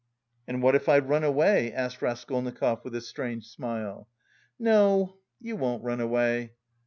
"And what if I run away?" asked Raskolnikov with a strange smile. "No, you won't run away.